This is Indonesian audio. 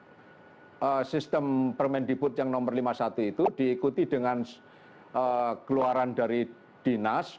karena sistem permendikbud yang no lima puluh satu itu diikuti dengan keluaran dari dinas